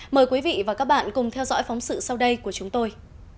mời quý vị và các bạn cùng theo dõi phóng sự sau đây của chúng tôi